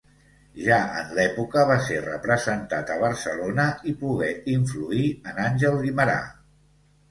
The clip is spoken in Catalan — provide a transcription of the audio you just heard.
Ja en l'època va ser representat a Barcelona i pogué influir en Àngel Guimerà.